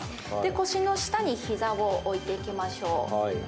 腰の下に膝を置いていきましょう。